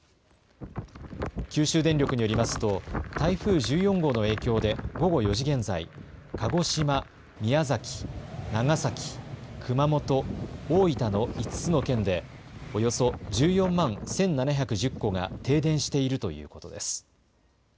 九州電力によりますと、台風１４号の影響で、午後４時現在、鹿児島、宮崎、長崎、熊本、大分の５つの県で、およそ１４万１７１０戸が停電しているということです。